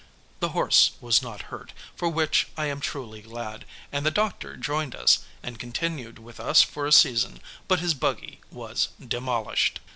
The horse was not hurt, for which I am truly glad, and the doctor joined us, and continued with us for a season, but his buggy was demolished.